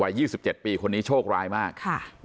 ๒๗ปีคนนี้โชคร้ายมาก